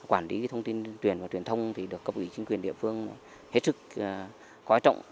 việc quản lý thông tin truyền và truyền thông được cập ủy chính quyền địa phương hết sức khói trọng